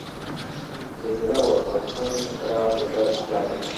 زلزله وه چه څنګ راغله داسے لاړه